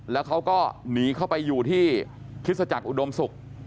แล้วเขาก็หนีเข้าไปอยู่ที่คริสตจักรอุดมศุกร์